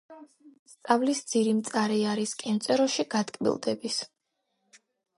'სწავლის ძირი მწარე არის, კენწეროში გატკბილდების"